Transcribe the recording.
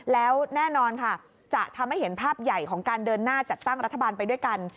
แล้วแน่นอนค่ะจะทำให้เห็นภาพใหญ่ของการเดินหน้าจัดตั้งรัฐบาลไปด้วยกัน